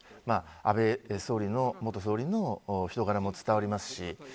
安倍元総理の人柄も伝わりますし。